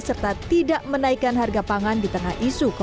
serta tidak menaikkan harga pangan di tengah isu